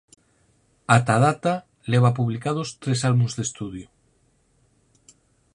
Ata a data leva publicados tres álbums de estudio.